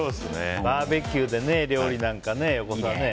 バーベキューで料理なんかね、横澤ね。